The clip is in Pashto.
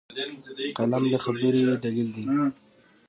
قلم د خبرې دلیل دی